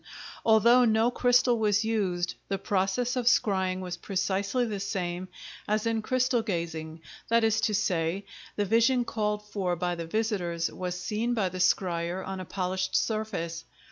Although no crystal was used, the process of scrying was precisely the same as in crystal gazing,—that is to say, the vision called for by the visitors was seen by the scryer on a polished surface.